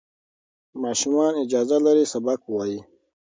ماشومان اجازه لري سبق ووایي.